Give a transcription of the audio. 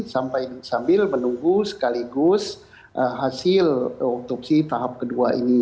sambil menunggu sekaligus hasil otopsi tahap ke dua ini